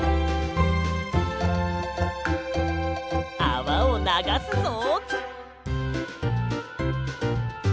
あわをながすぞ。